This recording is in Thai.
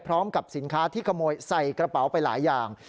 พร้อมกับสินค้าที่ขโมยใส่กระเป๋าไปหลายอย่าง